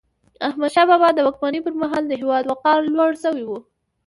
احمدشاه بابا د واکمني پر مهال د هیواد وقار لوړ سوی و.